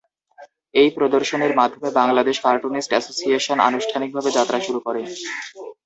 এই প্রদর্শনীর মাধ্যমে বাংলাদেশ কার্টুনিস্ট এসোসিয়েশন আনুষ্ঠানিকভাবে যাত্রা শুরু করে।